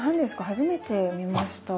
初めて見ました。